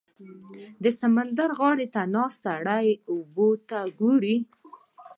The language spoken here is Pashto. • د سمندر غاړې ته ناست سړی اوبو ته ګوري.